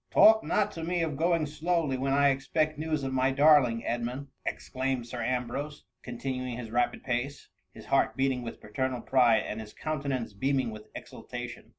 " Talk not to me of going slowly, when I expect news of my darling Edmund !" ex claimed Sir Ambrose, continuing his rapid pace — his heart beating with paternal pride, and his countenance beaming with exultation.